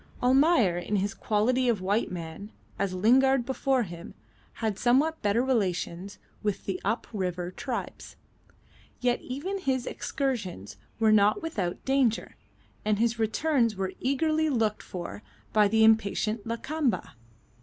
Almayer in his quality of white man as Lingard before him had somewhat better relations with the up river tribes. Yet even his excursions were not without danger, and his returns were eagerly looked for by the impatient Lakamba.